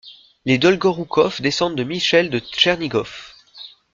Les Dolgoroukov descendent de Michel de Tchernigov.